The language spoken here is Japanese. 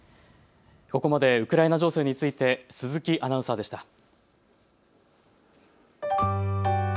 ここまでウクライナ情勢について鈴木アナウンサーでした。